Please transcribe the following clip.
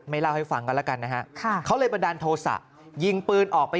เล่าให้ฟังกันแล้วกันนะฮะเขาเลยบันดาลโทษะยิงปืนออกไป